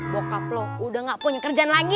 bokap lo udah gak punya kerjaan lagi